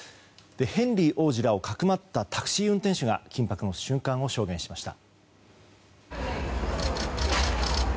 ヘンリー王子らをかくまったタクシー運転手が緊迫の瞬間を証言しました。